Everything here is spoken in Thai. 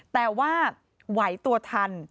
แต่ว่าไหวตัวทัน